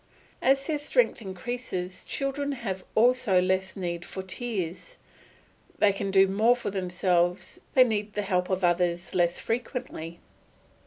As their strength increases, children have also less need for tears. They can do more for themselves, they need the help of others less frequently.